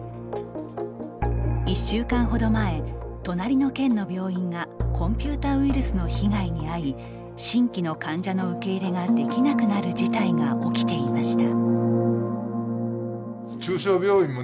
１週間ほど前、隣の県の病院がコンピューターウイルスの被害に遭い新規の患者の受け入れができなくなる事態が起きていました。